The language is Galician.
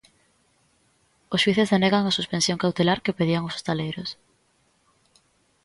Os xuíces denega a suspensión cautelar que pedían os hostaleiros.